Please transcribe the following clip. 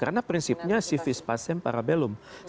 karena prinsipnya civis pasem para bellum